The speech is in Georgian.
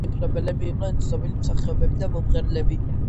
მისი მფლობელები იყვნენ ცნობილი მსახიობები და მომღერლები.